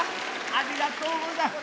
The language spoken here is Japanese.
ありがとうございます。